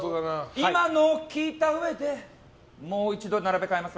今のを聞いたうえでもう一度並べ替えますか？